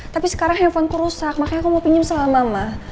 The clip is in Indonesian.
tapi sekarang handphoneku rusak makanya aku mau pinjam sama mama